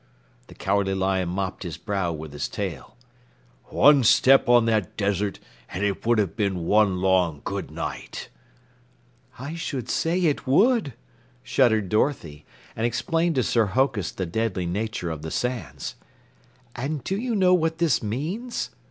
The Cowardly Lion mopped his brow with his tail. "One step on that desert and it would have been one long goodnight." "I should say it would!" shuddered Dorothy, and explained to Sir Hokus the deadly nature of the sands. "And do you know what this means?"